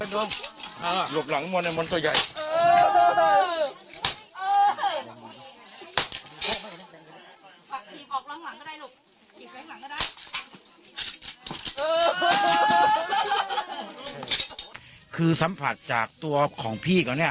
ด้านหลังโลกเองก็ไปเลย